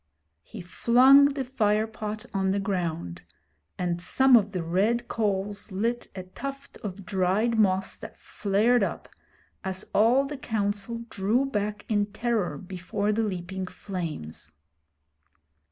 He flung the fire pot on the ground, and some of the red coals lit a tuft of dried moss that flared up, as all the Council drew back in terror before the leaping flames.